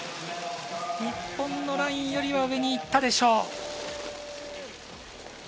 日本のラインよりは上にいったでしょう。